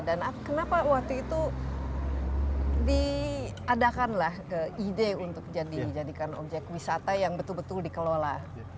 dan kenapa waktu itu diadakanlah ide untuk dijadikan objek wisata yang betul betul dikelola